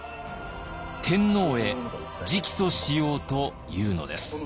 天皇へ直訴しようというのです。